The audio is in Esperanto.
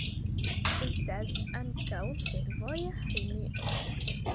Estas ankaŭ fervoja linio.